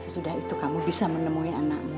sesudah itu kamu bisa menemui anakmu